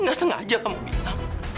nggak sengaja kamu minta